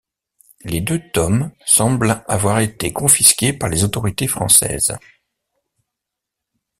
Les deux tomes semblent avoir été confisqués par les autorités françaises.